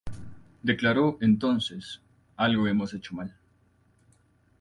Declaró entonces: "Algo hemos hecho mal".